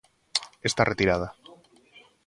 Está retirada.